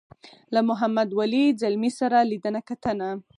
له محمد ولي ځلمي سره لیدنه کتنه.